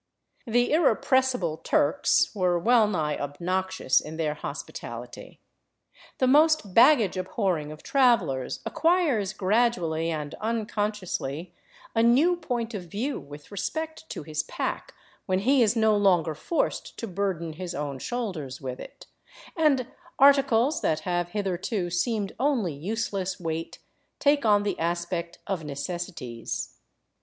The irrepressible *' Turks " were wellnigh obnoxious in their hos pitality. The most baggage abhoring of travelers acquires gradually and unconsciously a new point of view with respect to his pack when he is no longer forced to burden his own shoulders with it, and articles that have hitherto seemed only useless weight take on the aspect of necessities.